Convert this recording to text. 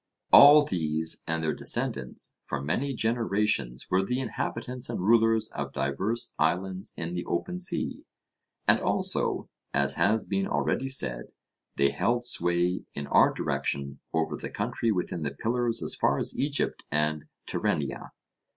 All these and their descendants for many generations were the inhabitants and rulers of divers islands in the open sea; and also, as has been already said, they held sway in our direction over the country within the pillars as far as Egypt and Tyrrhenia.